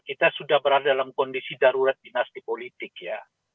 kita sudah berada dalam kondisi darurat dinasti politik ya